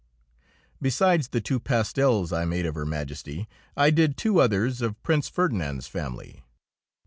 Besides the two pastels I made of Her Majesty, I did two others of Prince Ferdinand's family.